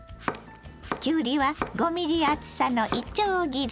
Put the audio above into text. きゅうりは５ｍｍ厚さのいちょう切り。